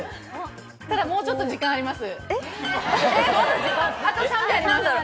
ただもうちょっと時間あります。